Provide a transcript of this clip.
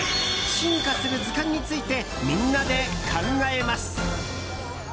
進化する図鑑についてみんなで考えます。